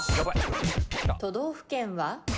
都道府県は？